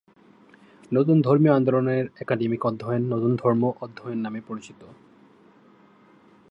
নতুন ধর্মীয় আন্দোলনের একাডেমিক অধ্যয়ন 'নতুন ধর্ম অধ্যয়ন' নামে পরিচিত।